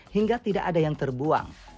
hingga tidak ada yang terbuang